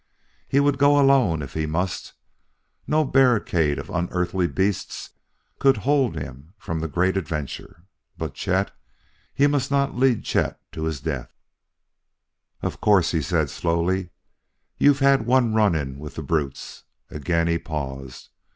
He would go alone if he must; no barricade of unearthly beasts could hold him from the great adventure. But Chet? he must not lead Chet to his death. "Of course," he said slowly, "you've had one run in with the brutes." Again he paused.